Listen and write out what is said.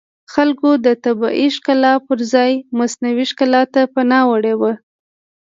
خلکو د طبیعي ښکلا پرځای مصنوعي ښکلا ته پناه وړې وه